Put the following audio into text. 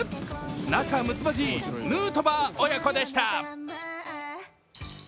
仲むつまじいヌートバー親子でした。